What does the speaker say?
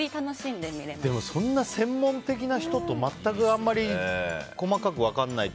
でもそんな専門的な人と全くあんまり細かく分からない。